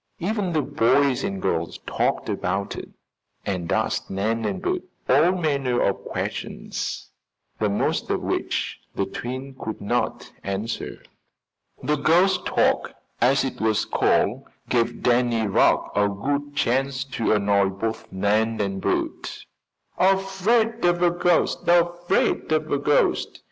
Even the boys and girls talked about it and asked Nan and Bert all manner of questions, the most of which the twins could not answer. The "ghost talk," as it was called, gave Danny Rugg a good chance to annoy both Nan and Bert. "Afraid of a ghost! Afraid of a ghost!"